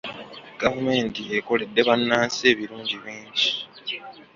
Gavumenti ekoledde bannansi ebirungi bingi.